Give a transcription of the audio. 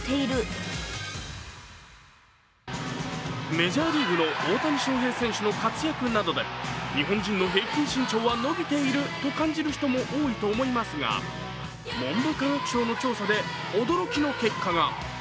メジャーリーグの大谷翔平選手の活躍などで日本人の平均身長は伸びていると感じる人も多いと思いますが、文部科学省の調査で驚きの結果が。